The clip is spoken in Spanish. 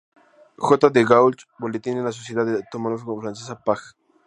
J de Gaulle", Boletín de la Sociedad Entomológica Francesa, pág.